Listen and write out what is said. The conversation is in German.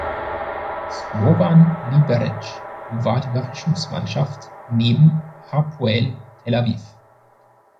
Slovan Liberec war die Überraschungsmannschaft neben Hapoel Tel Aviv.